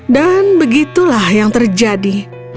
dan begitulah yang terjadi